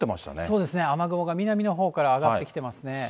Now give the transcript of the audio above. そうですね、雨雲が南のほうから上がってきてますね。